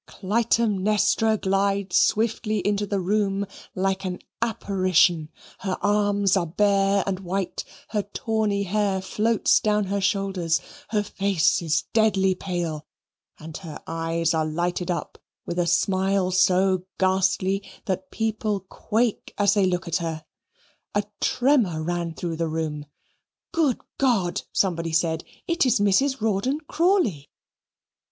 Clytemnestra glides swiftly into the room like an apparition her arms are bare and white her tawny hair floats down her shoulders her face is deadly pale and her eyes are lighted up with a smile so ghastly that people quake as they look at her. A tremor ran through the room. "Good God!" somebody said, "it's Mrs. Rawdon Crawley."